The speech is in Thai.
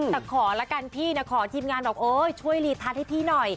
แต่ขอละกันพี่นะขอทีมงานบอกโอ๊ยช่วยรีทัศน์ให้พี่หน่อย